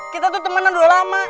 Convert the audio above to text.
kita tuh temennya dulu lama